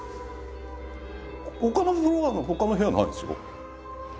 ほかのフロアのほかの部屋はないんですよ。